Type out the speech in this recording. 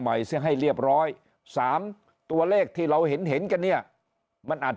เสียให้เรียบร้อยสามตัวเลขที่เราเห็นเห็นกันเนี่ยมันอาจ